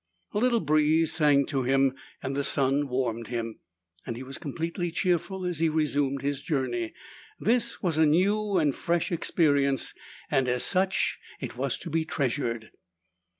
A little breeze sang to him, the sun warmed him, and he was completely cheerful as he resumed his journey. This was a new and fresh experience, and as such it was to be treasured.